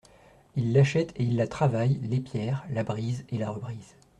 Il l'achète et il la travaille, l'épierre, la brise, et la rebrise.